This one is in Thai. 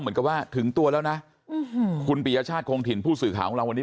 เหมือนกับว่าถึงตัวแล้วนะคุณปียชาติคงถิ่นผู้สื่อข่าวของเราวันนี้